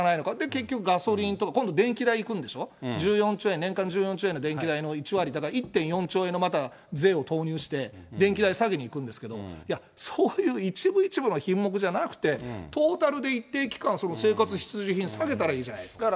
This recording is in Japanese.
結局、ガソリンとか、今度、電気代いくんでしょ、１４兆円、年間１４兆円の電気代の１割だから、１．４兆円の税を投入して、電気代下げにいくんですけど、いや、そういう一部一部の品目じゃなくて、トータルで一定期間、その生活必需品、下げたらいいじゃないですか。